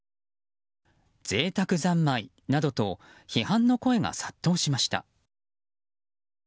贅沢三昧などと批判の声が殺到しました。